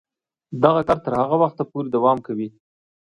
دغه کار تر هغه وخته پورې دوام کوي.